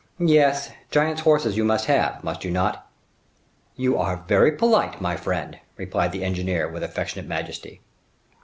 "Yes, giant's horses you must have, must you not?" "You are very polite, my friend," replied the engineer, with affectionate majesty.